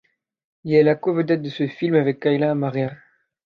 Il est la covedette de ce film avec Kaila Amariah.